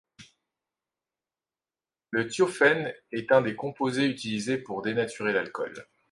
Le thiophène est un des composés utilisés pour dénaturer l'alcool.